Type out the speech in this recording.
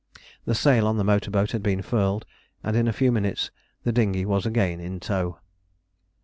The sail on the motor boat had been furled, and in a few minutes the dinghy was again in tow.